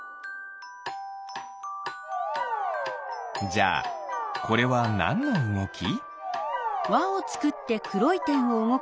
じゃあこれはなんのうごき？